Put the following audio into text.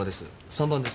３番です。